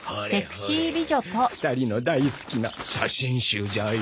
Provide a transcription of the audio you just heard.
ほれほれ２人の大好きな写真集じゃよ。